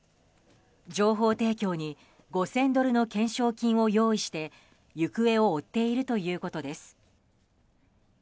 情報提供に５０００ドルの懸賞金を用意して行方を追っているということです。